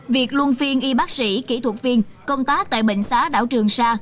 việc luân phiên y bác sĩ kỹ thuật viên công tác tại bệnh xã đảo trường sa